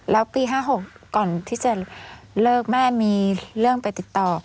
แล้วปี๕๖ก่อนที่จะเลิกแม่มีเรื่องไปติดต่อ